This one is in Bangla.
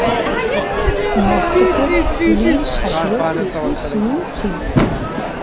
মস্তকের খুলির সাথেও কিছু চুল ছিল।